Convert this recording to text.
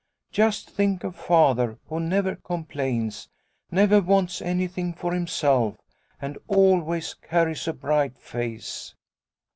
Just think of Father who never complains, never wants anything for himself, and always carries a bright face